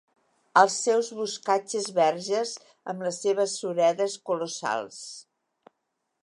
Els seus boscatges verges amb les seves suredes colossals.